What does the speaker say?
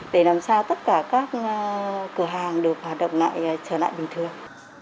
để làm sao tất cả các cửa hàng được hoạt động lại trở lại bình thường